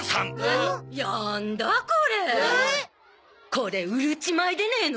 これうるち米でねえの。